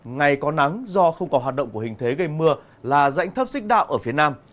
ngày có nắng do không còn hoạt động của hình thế gây mưa là rãnh thấp xích đạo ở phía nam